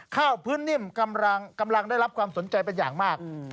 ข้าวพื้นนิ่มกำลังได้รับความสนใจเป็นอย่างมาก